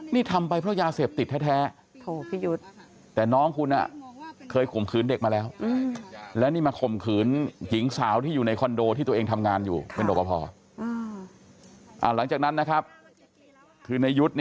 นี่ทำไปเพราะยาเสบติดแท้แท้